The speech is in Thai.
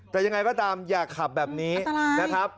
แต่ยังไงก็ตามอย่าขับแบบนี้นะครับ